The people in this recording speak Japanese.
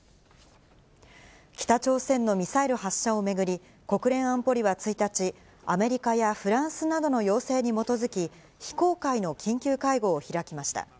北朝鮮のミサイル発射を巡り、国連安保理は１日、アメリカやフランスなどの要請に基づき、非公開の緊急会合を開きました。